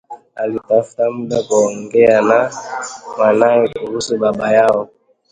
Alitafuta muda wa kuongea na mwanae kuhusu baba yao